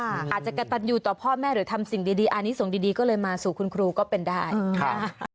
อาจจะกระตันอยู่ต่อพ่อแม่หรือทำสิ่งดีอันนี้ส่งดีก็เลยมาสู่คุณครูก็เป็นได้ค่ะ